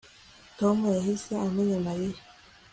Tom yahise amenya Mariya